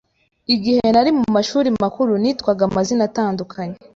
Igihe nari mu mashuri makuru nitwaga amazina atandukanye